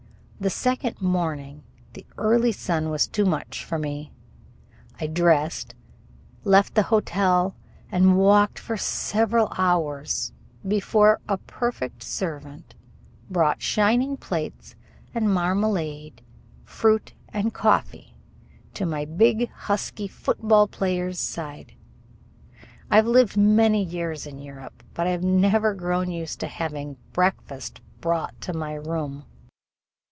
The second morning the early sun was too much for me. I dressed, left the hotel, and walked for several hours before a perfect servant brought shining plates and marmalade, fruit and coffee to my big husky football player's bedside. I have lived many years in Europe, but I have never grown used to having breakfast brought to my room.